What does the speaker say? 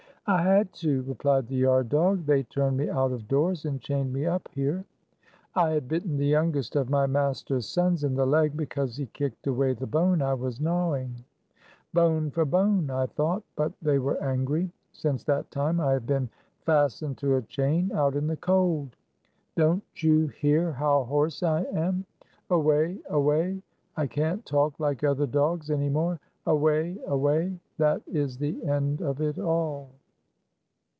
"I had to," replied the yard dog. "They turned me out of doors, and chained me up here. I had bitten the youngest of my masters sons in the leg, because he kicked away the bone I was gnawing. 'Bone for bone,' I thought; but they were angry. Since that time I have been fastened to a chain, out in the cold. Don't you hear how hoarse I am? Away! Away! I can't talk like other dogs any more. Away! Away ! That is the end of it all."